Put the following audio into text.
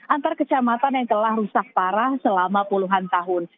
antar kecamatan yang telah rusak parah selama puluhan tahun